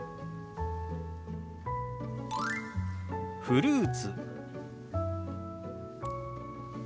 「フルーツ」。